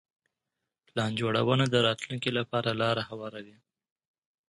پلان جوړونه د راتلونکي لپاره لاره هواروي.